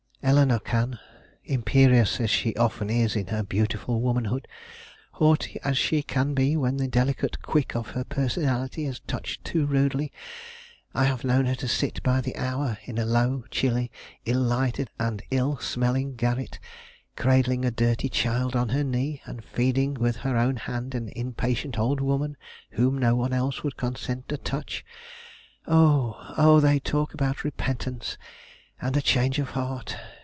Eleanore can. Imperious as she often is in her beautiful womanhood, haughty as she can be when the delicate quick of her personality is touched too rudely, I have known her to sit by the hour in a low, chilly, ill lighted and ill smelling garret, cradling a dirty child on her knee, and feeding with her own hand an impatient old woman whom no one else would consent to touch. Oh, oh! they talk about repentance and a change of heart!